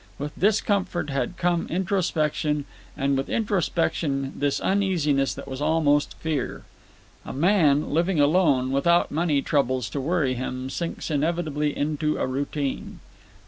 With discomfort had come introspection, and with introspection this uneasiness that was almost fear. A man, living alone, without money troubles to worry him, sinks inevitably into a routine.